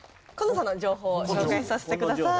紺野さんの情報を紹介させてください。